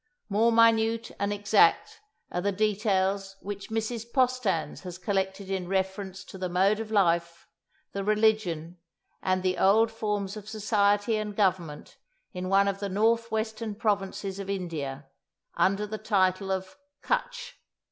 More minute and exact are the details which Mrs. Postans has collected in reference to the mode of life, the religion, and the old forms of society and government in one of the north western provinces of India, under the title of "Cutch."